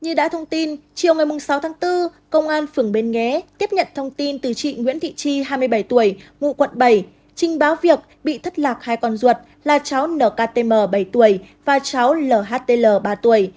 như đã thông tin chiều ngày sáu tháng bốn công an phường bến nghé tiếp nhận thông tin từ chị nguyễn thị chi hai mươi bảy tuổi ngụ quận bảy trình báo việc bị thất lạc hai con ruột là cháu nktm bảy tuổi và cháu lhtl ba tuổi